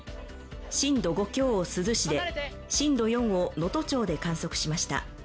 震度５強を珠洲市で、震度４を能登町で観測しました。